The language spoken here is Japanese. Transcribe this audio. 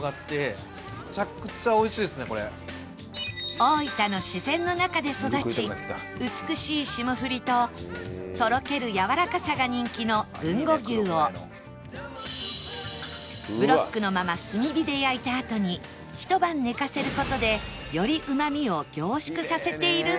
大分の自然の中で育ち美しい霜降りととろけるやわらかさが人気の豊後牛をブロックのまま炭火で焼いたあとに一晩寝かせる事でよりうまみを凝縮させているんだそう